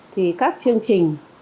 thì các chương trình